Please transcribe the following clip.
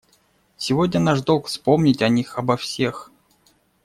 Сегодня наш долг вспомнить о них обо всех.